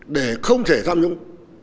để không thể tham nhũng